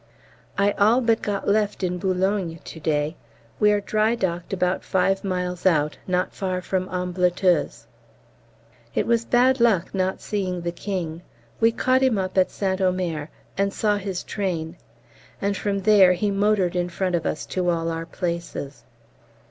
I all but got left in Boulogne to day. We are dry docked about five miles out, not far from Ambleteuse. It was bad luck not seeing the King. We caught him up at St Omer, and saw his train; and from there he motored in front of us to all our places.